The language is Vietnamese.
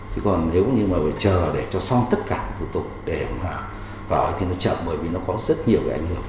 thế còn nếu như mà phải chờ để cho xong tất cả thủ tục để mà vào thì nó chậm bởi vì nó có rất nhiều cái ảnh hưởng